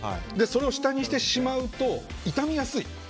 それを下にしてしまうと傷みやすい。